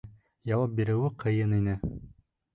Яуап биреүе ҡыйын ине.